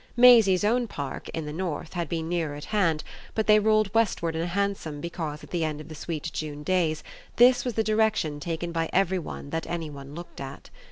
Maisie's own park, in the north, had been nearer at hand, but they rolled westward in a hansom because at the end of the sweet June days this was the direction taken by every one that any one looked at.